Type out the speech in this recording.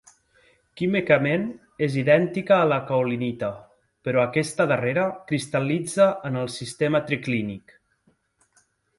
Químicament és idèntica a la caolinita, però aquesta darrera cristal·litza en el sistema triclínic.